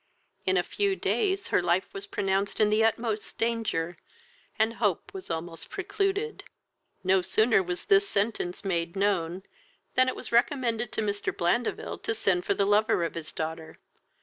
In a few days her life was pronounced in the utmost danger, and hope was almost precluded. No sooner was this sentence made known, that it was recommended to Mr. Blandeville to send for the lover of his daughter.